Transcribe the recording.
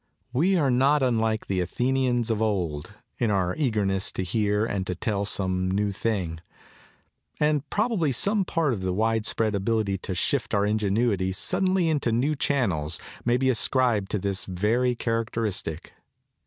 We are not unlike the Athenians of old in our eagerness to hear and to tell some new thing; and probably some part of the wide spread ability to shift our ingenuity suddenly into new channels may be ascribed to this very characteristic.